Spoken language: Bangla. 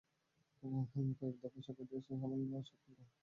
কয়েক দফায় সাক্ষীদের সমন দেওয়া এবং সাক্ষ্য গ্রহণের তারিখ পেছানো হয়েছে।